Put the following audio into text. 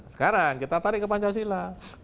sekarang kita tarik ke pancasila